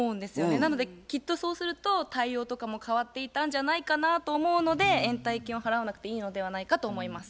なのできっとそうすると対応とかも変わっていたんじゃないかなと思うので延滞金を払わなくていいのではないかと思います。